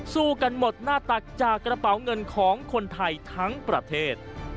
สู้กันหมดหน้าตักจากกระเป๋าเงินของคนไทยทั้งประเทศ